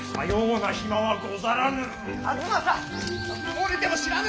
漏れても知らぬぞ！